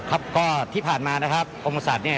ครับก็ที่ผ่านมานะครับกรมศาสตร์เนี่ย